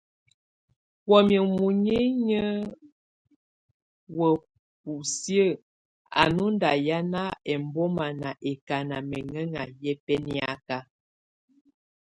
Wamɛ̀á munyinyǝ wa busiǝ́ á nù nda hiana ɛmbɔma ná ɛkana mɛŋɛŋa yɛ bɛniaka.